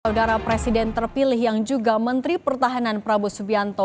saudara presiden terpilih yang juga menteri pertahanan prabowo subianto